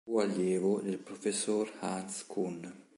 Fu allievo del professor Hans Kuhn.